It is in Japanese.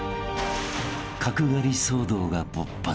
［角刈り騒動が勃発］